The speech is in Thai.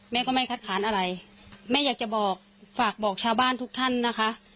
แม่ก็ไม่คัดค้านอะไรแม่อยากจะบอกฝากบอกชาวบ้านทุกท่านนะคะ